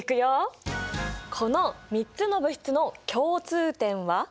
この３つの物質の共通点は？